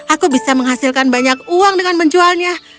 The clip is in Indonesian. aku bisa menghasilkan banyak uang dengan menjualnya